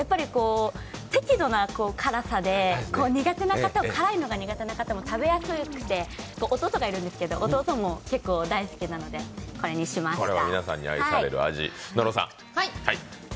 適度な辛さで、辛いのが苦手な方も食べやすくて、弟がいるんですけど弟も結構大好きなので、これにしました。